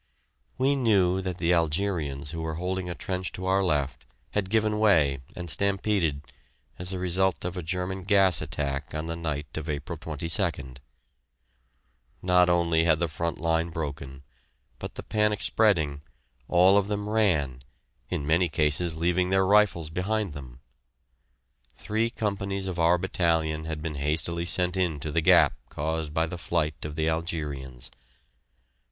We knew that the Algerians who were holding a trench to our left had given way and stampeded, as a result of a German gas attack on the night of April 22d. Not only had the front line broken, but, the panic spreading, all of them ran, in many cases leaving their rifles behind them. Three companies of our battalion had been hastily sent in to the gap caused by the flight of the Algerians.